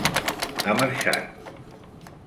Ha marxat.